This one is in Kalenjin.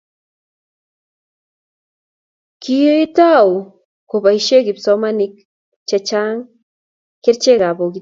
kiitou koboisie kipsomaninik che chang' kerchekab bokite